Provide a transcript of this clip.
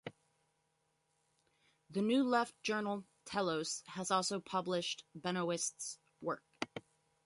The New Left journal "Telos" has also published Benoist's work.